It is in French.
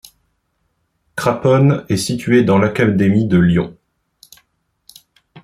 Craponne est située dans l'académie de Lyon.